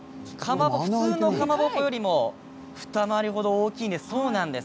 普通のかまぼこよりもふた回り程、大きいんです。